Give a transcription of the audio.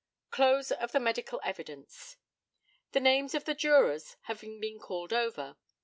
CLOSE OF THE MEDICAL EVIDENCE. The names of the jurors having been called over.